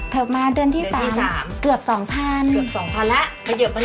เถิบมาเดือนที่๓เกือบ๒๐๐๐บาท